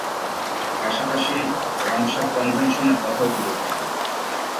পাশাপাশি রামসার কনভেনশনের কথাও তুলে ধরেন।